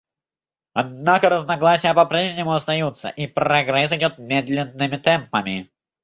Однако разногласия по-прежнему остаются, и прогресс идет медленными темпами.